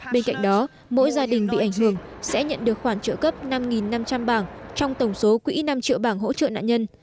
bên cạnh đó mỗi gia đình bị ảnh hưởng sẽ nhận được khoản trợ cấp năm năm trăm linh bảng trong tổng số quỹ năm triệu bảng hỗ trợ nạn nhân